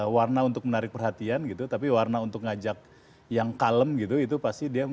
warna untuk menarik perhatian gitu tapi warna untuk ngajak yang kalem gitu itu pasti dia